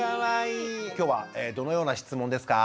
今日はどのような質問ですか？